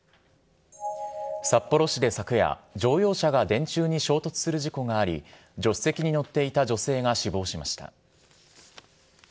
札幌市で昨夜、乗用車が電柱に衝突する事故があり、助手席に乗っていた女性が死亡しました。